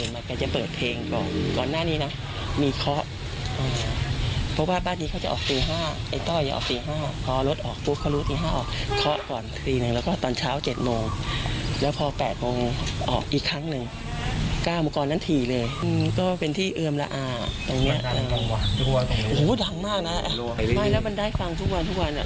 มันดังกลางหวานทุกวันโอ้โหดังมากนะไม่แล้วมันได้ฟังทุกวันทุกวันอ่ะ